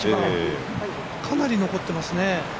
かなり残っていますね。